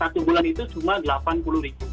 satu bulan itu cuma rp delapan puluh